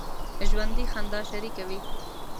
ژوندي خندا شریکه وي